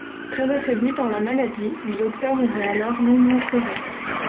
Très affaibli par la maladie, le docteur aurait alors longuement pleuré.